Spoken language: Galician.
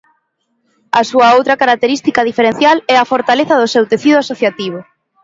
A súa outra característica diferencial é a fortaleza do seu tecido asociativo.